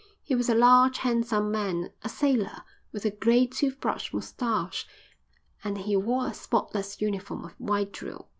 He was a large, handsome man, a sailor, with a grey toothbrush moustache; and he wore a spotless uniform of white drill.